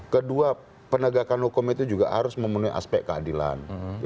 kedua penegakan hukum itu juga harus memenuhi aspek keadilan